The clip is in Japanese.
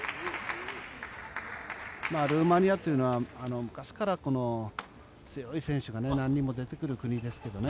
ルーマニアというのは昔から強い選手が何人も出てくる国ですけどね。